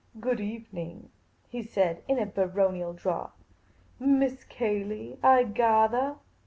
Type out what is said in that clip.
" Good evening," he said, in a baronial drawl. " Miss Cayley, I gathah